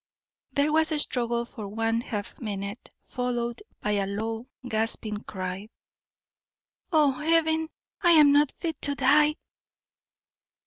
There was a struggle for one half minute, followed by a low, gasping cry: "Oh, Heaven! I am not fit to die!"